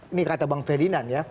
ini kata bang ferdinand ya